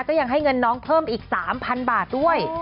ก็ยังให้เงินน้องเพิ่มอีก๓๐๐๐บาทด้วย